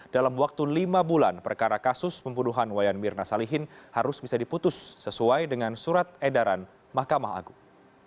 dalam waktu lima bulan perkara kasus pembunuhan wayan mirna salihin harus bisa diputus sesuai dengan surat edaran mahkamah agung